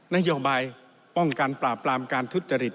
นโยบายป้องกันปราบปรามการทุจริต